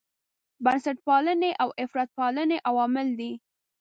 بنسټپالنې او افراطپالنې عوامل دي.